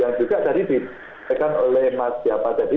yang juga tadi disampaikan oleh mas siapa tadi